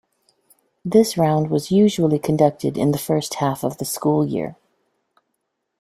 This round was usually conducted in the first half of the school year.